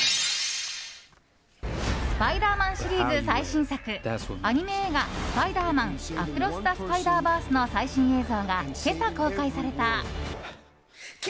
「スパイダーマン」シリーズ最新作アニメ映画「スパイダーマン：アクロス・ザ・スパイダーバース」の最新映像が今朝公開された。